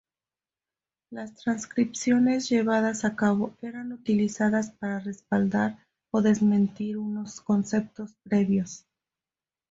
Las transcripciones llevadas a cabo eran utilizadas para respaldar o desmentir unos conceptos previos.